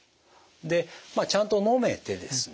でちゃんと飲めてですね